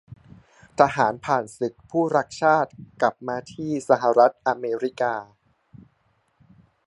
ทหารผ่านศึกผู้รักชาติกลับมาที่สหรัฐอเมริกา